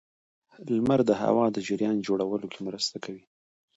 • لمر د هوا د جریان جوړولو کې مرسته کوي.